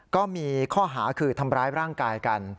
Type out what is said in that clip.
ก็มีข้อหาคือทำร้ายร่างกายกัน